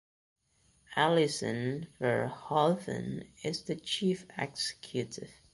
Alison Verhoeven is the Chief Executive.